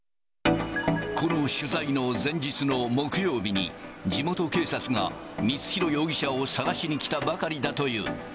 この取材の前日の木曜日に、地元警察が、光弘容疑者を捜しに来たばかりだという。